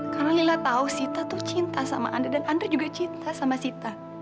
karena lila tahu sita tuh cinta sama andres dan andres juga cinta sama sita